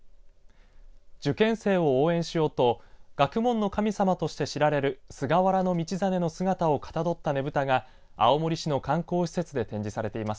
受験生を応援しようと学問の神様として知られる菅原道真の姿をかたどったねぶたが青森市の観光施設で展示されています。